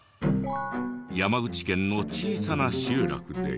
山口県の小さな集落で。